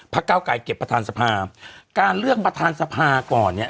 เก้าไกรเก็บประธานสภาการเลือกประธานสภาก่อนเนี่ย